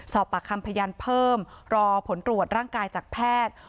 สอบปากคำพยานเพิ่มรอผลตรวจร่างกายจากแพทย์